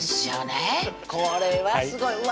これはすごいうわ